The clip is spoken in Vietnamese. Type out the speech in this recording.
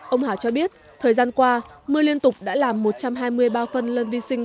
ông hảo cho biết thời gian qua mưa liên tục đã làm một trăm hai mươi bao phân vi sinh